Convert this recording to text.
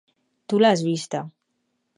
Tu l'has vista.